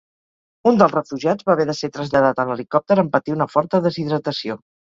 Un dels refugiats va haver de ser traslladat en helicòpter en patir una forta deshidratació.